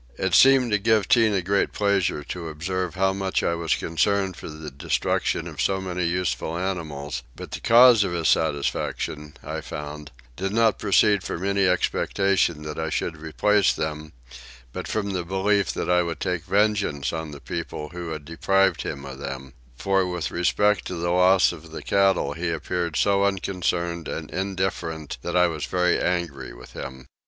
It seemed to give Tinah great pleasure to observe how much I was concerned for the destruction of so many useful animals; but the cause of his satisfaction, I found, did not proceed from any expectation that I should replace them, but from the belief that I would take vengeance on the people who had deprived him of them; for with respect to the loss of the cattle he appeared so unconcerned and indifferent that I was very angry with him.